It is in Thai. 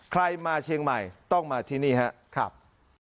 ใครมาเชียงใหม่ต้องมาที่นี่ครับ